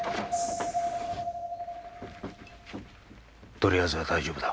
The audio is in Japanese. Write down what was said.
とりあえずは大丈夫だ。